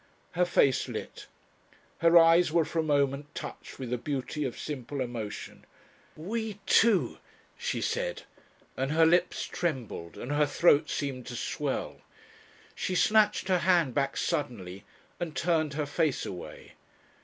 Her face lit. Her eyes were for a moment touched with the beauty of simple emotion. "We two," she said, and her lips trembled and her throat seemed to swell. She snatched her hand back suddenly and turned her face away.